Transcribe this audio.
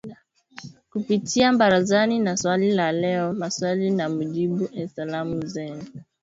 kupitia Barazani na Swali la Leo, Maswali na Majibu, na Salamu Zenu